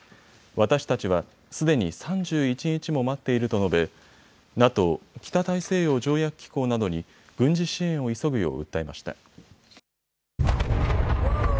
私たちはすでに３１日も待っていると述べ、ＮＡＴＯ・北大西洋条約機構などに軍事支援を急ぐよう訴えました。